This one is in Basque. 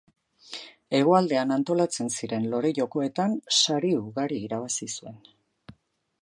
Hegoaldean antolatzen ziren Lore Jokoetan sari ugari irabazi zuen.